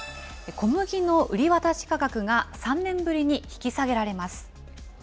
小麦の売り渡し価格が３年ぶりに引き下げられます。